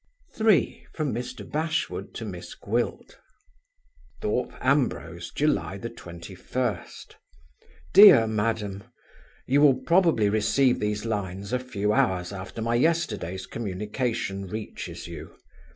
3. From Mr. Bashwood to Miss Gwilt. "Thorpe Ambrose, July 21st. "DEAR MADAM You will probably receive these lines a few hours after my yesterday's communication reaches you.